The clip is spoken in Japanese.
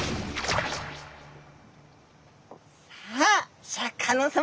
さあシャーク香音さま